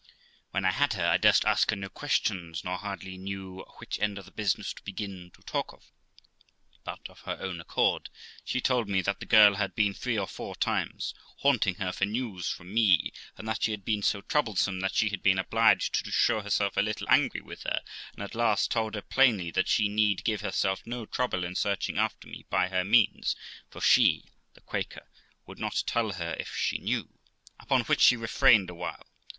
When I had her, I durst ask her no questions, nor hardly knew which end of the business to begin to talk of; but of her own accord she told me that the girl had been three or four times, haunting her for news from me; and that she had been so troublesome that she had been obliged to show herself a little angry with her; and at last told her plainly that she need give herself no trouble in searching after me by her means, for she (the Quaker) would not tell her if she knew; upon which she refrained awhile.